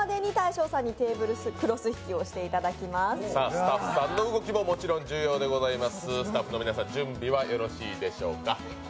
スタッフさんの動きももちろん重要でございます。